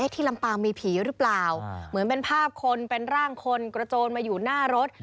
ลำปางมีผีหรือเปล่าเหมือนเป็นภาพคนเป็นร่างคนกระโจนมาอยู่หน้ารถ